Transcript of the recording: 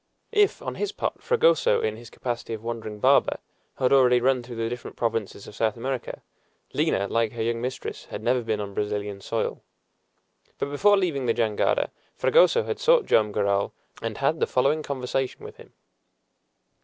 If, on his part, Fragoso, in his capacity of wandering barber, had already run through the different provinces of South America, Lina, like her young mistress, had never been on Brazilian soil. But before leaving the jangada Fragoso had sought Joam Garral, and had the following conversation with him.